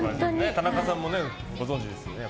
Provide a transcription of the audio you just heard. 田中さんもご存じですよね。